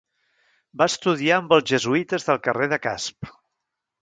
Va estudiar amb els jesuïtes del carrer de Casp.